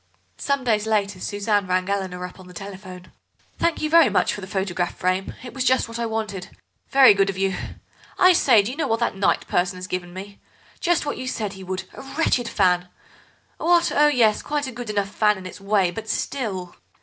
Some days later Suzanne rang Eleanor up on the telephone. "Thank you very much for the photograph frame. It was just what I wanted. Very good of you. I say, do you know what that Kneyght person has given me? Just what you said he would—a wretched fan. What? Oh yes, quite a good enough fan in its way, but still